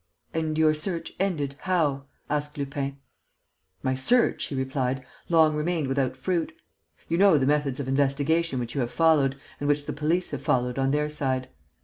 "And your search ended ... how?" asked Lupin. "My search," she replied, "long remained without fruit. You know the methods of investigation which you have followed and which the police have followed on their side.